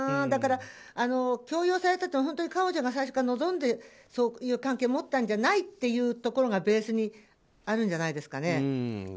だから、強要されたと彼女が最初から望んで、そういう関係を持ったんじゃないというところがベースにあるんじゃないですかね。